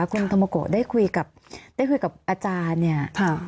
คุณธรรมโกได้คุยกับอาจารย์เนี่ย